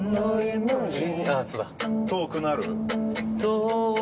「遠くなる」